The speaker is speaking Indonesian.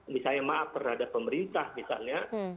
misalnya maaf terhadap pemerintah misalnya